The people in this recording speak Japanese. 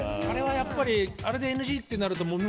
あれはやっぱりあれでＮＧってなると。